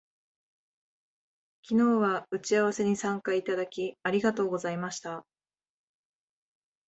昨日は打ち合わせに参加いただき、ありがとうございました